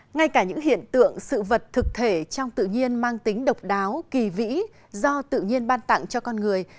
ngay cả những hiện tượng sự vật thực thể trong tự nhiên mang tính độc đáo kỳ vĩ do tự nhiên ban tặng cho con người